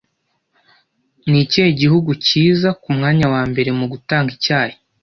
Ni ikihe gihugu kiza ku mwanya wa mbere mu gutanga icyayi